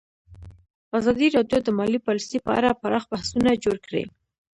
ازادي راډیو د مالي پالیسي په اړه پراخ بحثونه جوړ کړي.